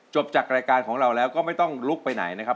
จากรายการของเราแล้วก็ไม่ต้องลุกไปไหนนะครับ